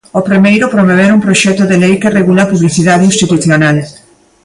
O primeiro, promover un proxecto de lei que regule a publicidade institucional.